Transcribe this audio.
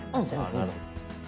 あなるほど。